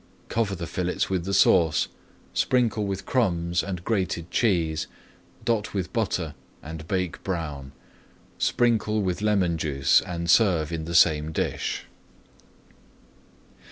Cover the fillets with the sauce, [Page 222] sprinkle with crumbs and grated cheese, dot with butter, and bake brown. Sprinkle with lemon juice and serve in the same dish.